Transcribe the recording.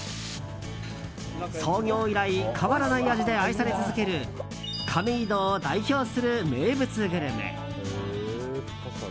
創業以来変わらない味で愛され続ける亀戸を代表する名物グルメ。